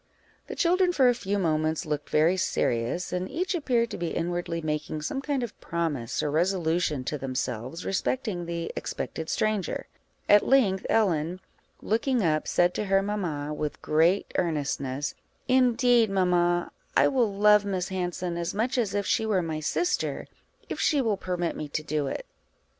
The children for a few moments looked very serious, and each appeared to be inwardly making some kind of promise or resolution to themselves respecting the expected stranger: at length, Ellen, looking up, said to her mamma, with great earnestness "Indeed, mamma, I will love Miss Hanson as much as if she were my sister, if she will permit me to do it."